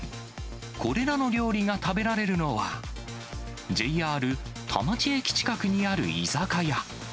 これらの料理が食べられるのは、ＪＲ田町駅近くにある居酒屋。